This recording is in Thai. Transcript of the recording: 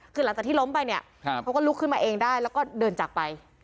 คือหลังจากที่ล้มไปเนี่ยเขาก็ลุกขึ้นมาเองได้แล้วก็เดินจากไป